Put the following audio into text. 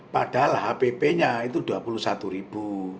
padahal hpp nya itu rp dua puluh satu ribu